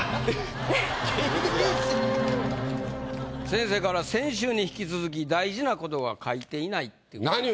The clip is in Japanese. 先生から「先週に引き続き、大事なことが書いてない！」っていう。